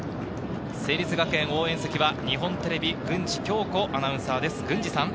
成立学園応援席は日本テレビ、郡司恭子アナウンサーです。